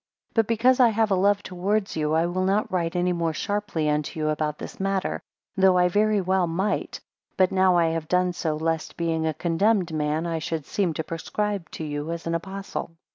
11 But because I have a love towards you, I will not write any more sharply unto you about this matter, though I very well might but now I have done so, lest being a condemned man, I should seem to prescribe to you as an Apostle.